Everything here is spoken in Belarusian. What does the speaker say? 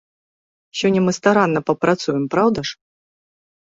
Сёння мы старанна папрацуем, праўда ж?